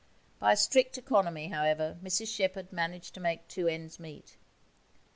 By strict economy, however, Mrs Shepherd managed to make two ends meet.